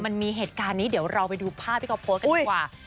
มันมีเหตุการณ์นี้เดี๋ยวเราไปดูภาพที่เขาโพสต์กันดีกว่า